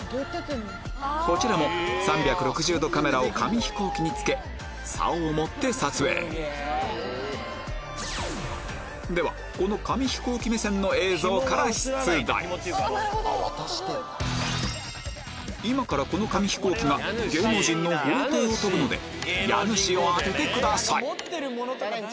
こちらも３６０度カメラを紙飛行機に付け竿を持って撮影ではこの紙飛行機目線の映像から出題今からこの紙飛行機が芸能人の豪邸を飛ぶので家主を当ててください